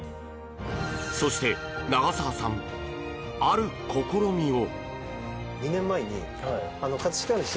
そして長澤さん、ある試みを。